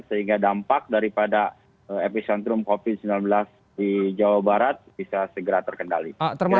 sehingga dampak daripada epicentrum covid sembilan belas di jawa barat bisa segera terkendali